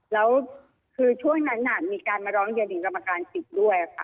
แล้วช่วงนั้นมีการมาร้องเยอดีรับประการสิทธิ์ด้วย